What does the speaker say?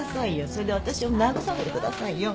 それで私を慰めてくださいよ。